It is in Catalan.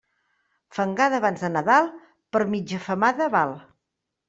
Fangada abans de Nadal, per mitja femada val.